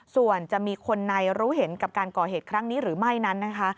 ส่วนจะมีคนในรู้เห็นกับการก่อเหตุครั้งนี้หรือไม่นั้นนะคะ